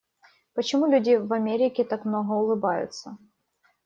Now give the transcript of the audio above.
Почему люди в Америке так много улыбаются?